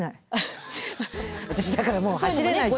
私だからもう走れないって。